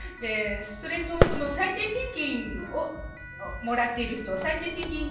それと、最低賃金をもらっている人。